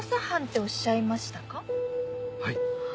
はい。